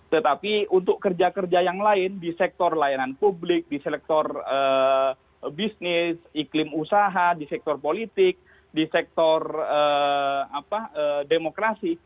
tetapi untuk kerja kerja yang lain di sektor layanan publik di sektor bisnis iklim usaha di sektor politik di sektor demokrasi